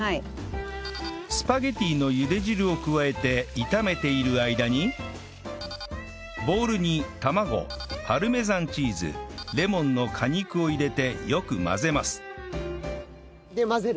スパゲッティのゆで汁を加えて炒めている間にボウルに卵パルメザンチーズレモンの果肉を入れてよく混ぜますで混ぜる。